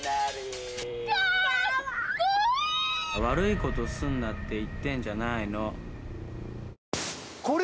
「悪いことすんなって言ってんじゃないの」